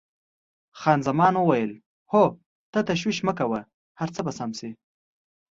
خان زمان وویل: هو، خو ته تشویش مه کوه، هر څه به سم شي.